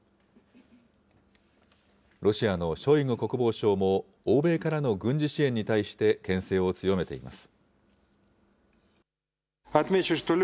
ロシアのショイグ国防相も、欧米からの軍事支援に対してけん制を強めています。